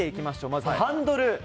まずハンドル。